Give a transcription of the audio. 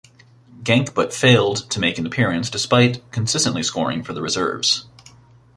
Genk but failed to make an appearance despite consistently scoring for the reserves.